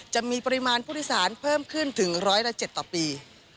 จะมีปริมาณภูติศาสตร์เพิ่มขึ้นถึง๑๐๗ต่อปี